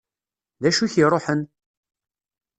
D acu i k-iruḥen?